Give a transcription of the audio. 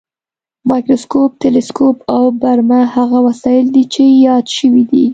مایکروسکوپ، تلسکوپ او برمه هغه وسایل دي چې یاد شوي دي.